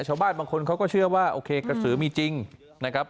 ชาวบ้านบางคนเขาก็เชื่อว่าโอเคกระสือมีจริงนะครับ